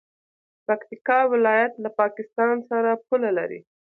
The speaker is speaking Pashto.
پکتیکا ولایت له پاکستان سره پوله لري.